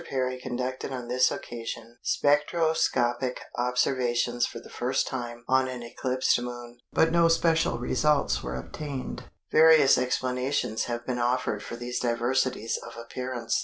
Perry conducted on this occasion spectroscopic observations for the first time on an eclipsed Moon, but no special results were obtained. Various explanations have been offered for these diversities of appearance.